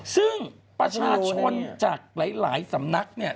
ซึ่งประชาชนจากหลายสำนักเนี่ย